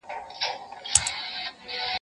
زه اوس د سبا لپاره د هنرونو تمرين کوم!؟